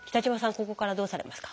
ここからどうされますか？